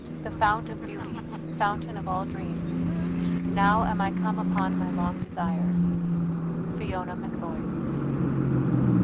The fount of beauty, Fountain of all dreams, Now am I come upon my long desire. FIONA MACLEOD.